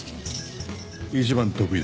一番得意だ。